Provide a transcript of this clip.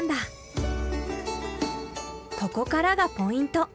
ここからがポイント。